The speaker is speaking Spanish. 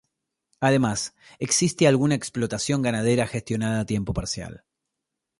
Además, existe alguna explotación ganadera gestionada a tiempo parcial.